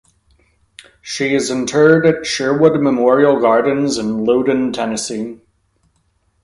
She is interred at Sherwood Memorial Gardens, in Loudon, Tennessee.